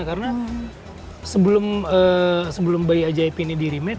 karena sebelum bayi ajaib ini di remake